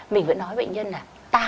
mình vẫn nói với bệnh nhân là